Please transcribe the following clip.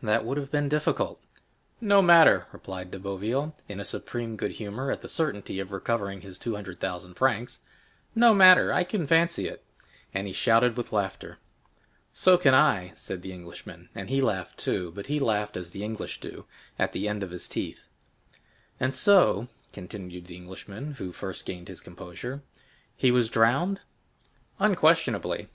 "That would have been difficult." "No matter," replied De Boville, in supreme good humor at the certainty of recovering his two hundred thousand francs,—"no matter, I can fancy it." And he shouted with laughter. "So can I," said the Englishman, and he laughed too; but he laughed as the English do, "at the end of his teeth." "And so," continued the Englishman who first gained his composure, "he was drowned?" "Unquestionably."